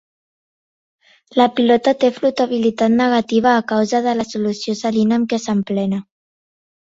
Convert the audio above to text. La pilota té flotabilitat negativa a causa de la solució salina amb què s'emplena.